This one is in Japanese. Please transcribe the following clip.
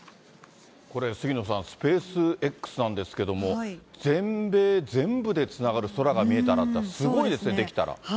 これ杉野さん、スペースＸなんですけれども、全米全部でつながる、空が見えたらって、すごいですね、できたら。